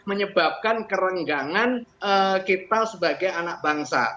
menyebabkan kerenggangan kita sebagai anak bangsa